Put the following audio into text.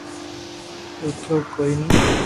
روڪيو ڪوئي ني